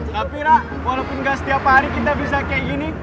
tapi rak walaupun gak setiap hari kita bisa kayak gini